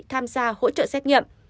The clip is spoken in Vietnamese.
tham gia hỗ trợ xét nghiệm